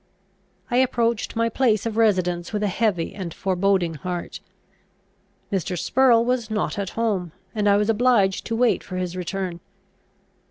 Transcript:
I approached my place of residence with a heavy and foreboding heart. Mr. Spurrel was not at home; and I was obliged to wait for his return.